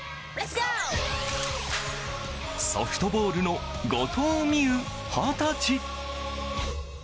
ソフトボールの後藤希友、二十歳。